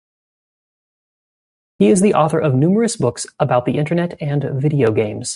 He is the author of numerous books about the Internet and video games.